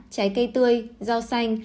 trái cây tươi rau xanh